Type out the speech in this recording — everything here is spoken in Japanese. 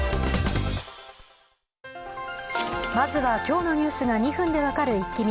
まずす今日のニュースが２分で分かるイッキ見。